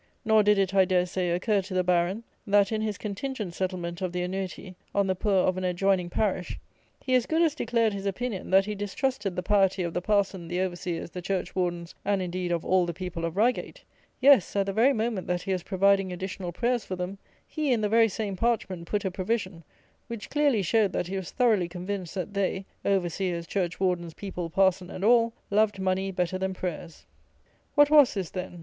Nor did it, I dare say, occur, to the Baron, that, in his contingent settlement of the annuity on the poor of an adjoining parish, he as good as declared his opinion, that he distrusted the piety of the parson, the overseers, the churchwardens, and, indeed, of all the people of Reigate: yes, at the very moment that he was providing additional prayers for them, he in the very same parchment, put a provision, which clearly showed that he was thoroughly convinced that they, overseers, churchwardens, people, parson and all, loved money better than prayers. What was this, then?